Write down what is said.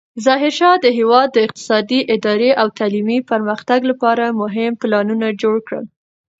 ظاهرشاه د هېواد د اقتصادي، اداري او تعلیمي پرمختګ لپاره مهم پلانونه جوړ کړل.